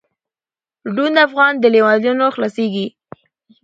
ړوند افغان دی له لېوانو نه خلاصیږي